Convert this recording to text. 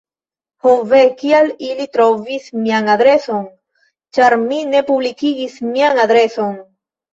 "Ho ve, kial ili trovis mian adreson?" ĉar mi ne publikigis mian adreson.